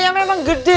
ya memang gede